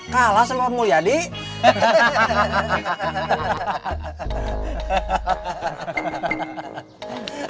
kalah semua mulia dik